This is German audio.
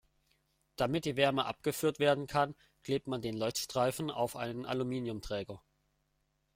Damit die Wärme abgeführt werden kann, klebt man den Leuchtstreifen auf einen Aluminiumträger.